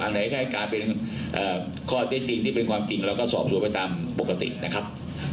ไหนก็ให้กลายเป็นข้อเท็จจริงที่เป็นความจริงเราก็สอบสวนไปตามปกตินะครับ